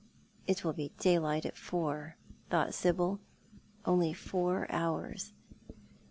"It will be daylight at four," thought Sibyl, "only four hours."